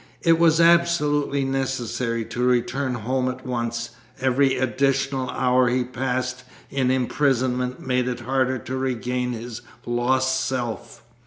It was absolutely necessary to return home at once; every additional hour he passed in imprisonment made it harder to regain his lost self.